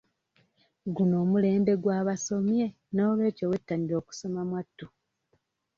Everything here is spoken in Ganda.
Guno omulembe gw'abasomye n'olw'ekyo wettanire okusoma mwatu.